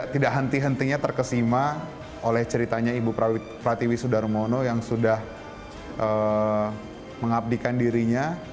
tidak henti hentinya terkesima oleh ceritanya ibu pratiwi sudarmono yang sudah mengabdikan dirinya